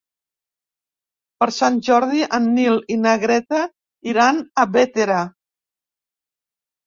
Per Sant Jordi en Nil i na Greta iran a Bétera.